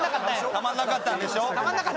たまんなかったんでしょ？